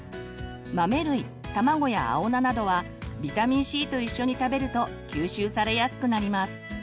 豆類卵や青菜などはビタミンＣと一緒に食べると吸収されやすくなります。